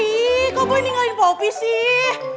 eh eh boy gak boleh ngerin popi sih